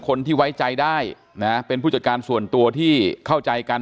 คนที่ไว้ใจได้นะเป็นผู้จัดการส่วนตัวที่เข้าใจกัน